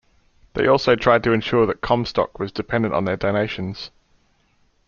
They also tried to ensure that Comstock was dependent on their donations.